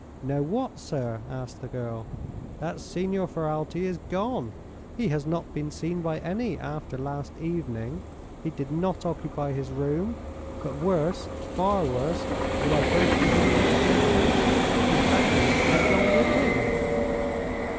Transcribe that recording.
"Know what, sir?" asked the girl. "That Signor Ferralti is gone. He has not been seen by any after last evening. He did not occupy his room. But worse, far worse, will I break you the news gently his baggage is gone with him!"